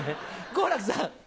好楽さん。